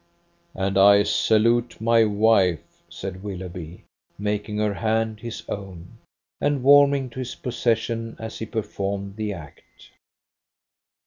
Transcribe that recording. "And I salute my wife," said Willoughby, making her hand his own, and warming to his possession as he performed the act.